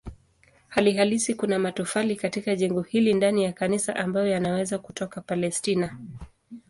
Hali halisi kuna matofali katika jengo hilo ndani ya kanisa ambayo yanaweza kutoka Palestina.